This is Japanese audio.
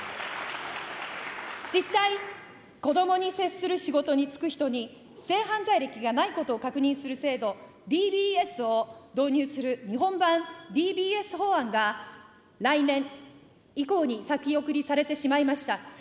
実際、子どもに接する仕事に就く人に性犯罪歴がないことを確認する制度、ＤＢＳを導入する日本版ＤＢＳ法案が、来年以降に先送りされてしまいました。